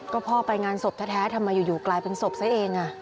ก็พ่อไปงานศพแท้ทำไมอยู่กลายเป็นศพซะเอง